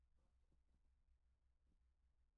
大冶以铁矿而著名。